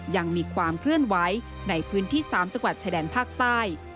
ยังมีความเคลื่อนไหวในพื้นที่๓จังหวัดชายแดนภาคใต้